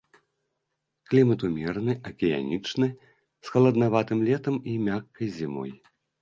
Клімат умераны, акіянічны, з халаднаватым летам і мяккай зімой.